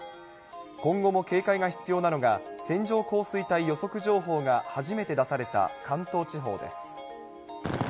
今後も警戒が必要なのが、線状降水帯予測情報が初めて出された関東地方です。